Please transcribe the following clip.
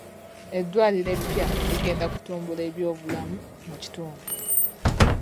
Eddwaliro eppya ligenda kutumbula ebyobulamu mu kitundu.